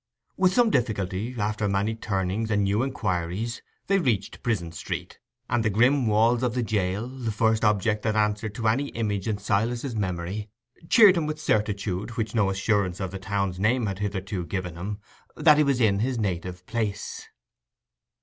With some difficulty, after many turnings and new inquiries, they reached Prison Street; and the grim walls of the jail, the first object that answered to any image in Silas's memory, cheered him with the certitude, which no assurance of the town's name had hitherto given him, that he was in his native place.